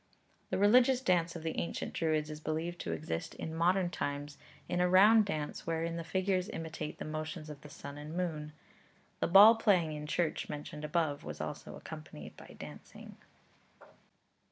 The religious dance of the ancient Druids is believed to exist in modern times in a round dance wherein the figures imitate the motions of the sun and moon. The ball playing in church mentioned above was also accompanied by dancing.